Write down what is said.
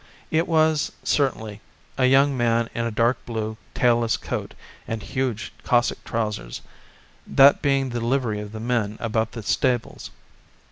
It was certainly a young man in a dark blue, tailless coat and huge Cossack trousers, that being the livery of the men about the stables.